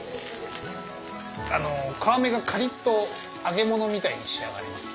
あの皮目がカリっと揚げ物みたいに仕上がります。